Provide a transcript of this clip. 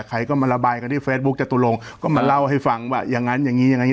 ใครก็มาระบายกันที่เฟซบุ๊คจตุลงก็มาเล่าให้ฟังว่าอย่างนั้นอย่างนี้อย่างงี